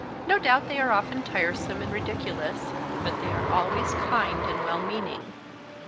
No doubt they are often tiresome and ridiculous; but they are always kind and well meaning."